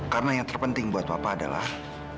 karena yang terpenting buat papa adalah